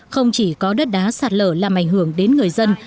không chỉ có đất đá sạt lở làm ảnh hưởng đến người dân